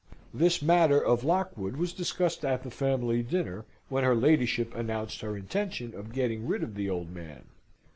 This matter of Lockwood was discussed at the family dinner, when her ladyship announced her intention of getting rid of the old man.